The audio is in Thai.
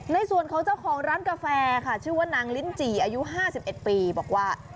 ในส่วนเขาเจ้าของร้านกาแฟค่ะชื่อว่านางลิ้นจีอายุห้าสิบเอ็ดปีบอกว่า